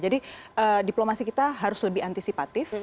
jadi diplomasi kita harus lebih antisipatif